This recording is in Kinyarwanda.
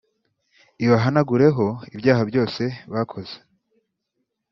ibahanagureho ibyaha byose bakoze